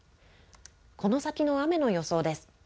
この先の雨の予想です。